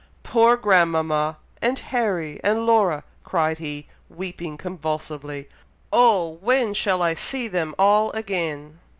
"Poor grandmama! and Harry and Laura!" cried he, weeping convulsively. "Oh! when shall I see them all again!"